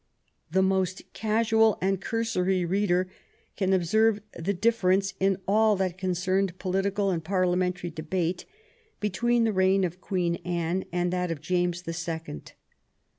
The most casual and cursory reader can observe the difference in all that concerned political and parliamentary debate between the reign of Queen Anne and that of James the Second.